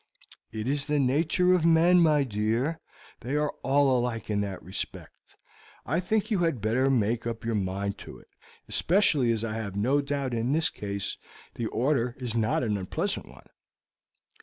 "It is the nature of men, my dear; they are all alike in that respect. I think you had better make up your mind to it, especially as I have no doubt in this case the order is not a very unpleasant one."